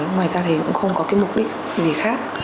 ngoài ra thì cũng không có cái mục đích gì khác